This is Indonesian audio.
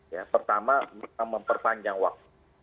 ya pertama memperpanjang waktu